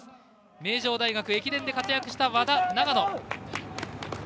名城大学駅伝で活躍した和田、長野。